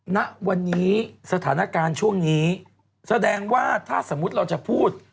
ณวันนี้สถานการณ์ช่วงนี้แสดงว่าถ้าสมมุติเราจะพูด